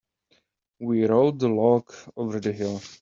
We rolled the log over the hill.